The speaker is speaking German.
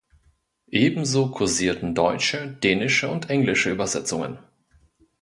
Ebenso kursierten deutsche, dänische und englische Übersetzungen.